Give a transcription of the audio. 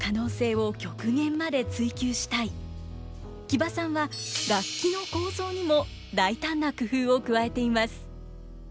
木場さんは楽器の構造にも大胆な工夫を加えています。